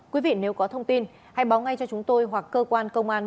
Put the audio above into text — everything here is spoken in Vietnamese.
quý vị nếu có thông tin hãy báo ngay cho chúng tôi hoặc cơ quan công an nơi gần nhất